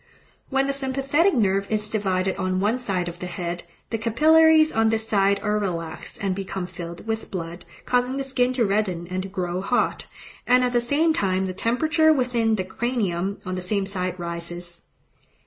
When the sympathetic nerve is divided on one side of the head, the capillaries on this side are relaxed and become filled with blood, causing the skin to redden and to grow hot, and at the same time the temperature within the cranium on the same side rises.